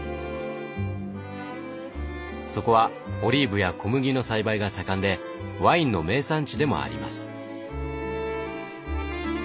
そこはオリーブや小麦の栽培が盛んでワインの名産地でもあります。